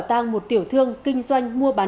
tăng một tiểu thương kinh doanh mua bán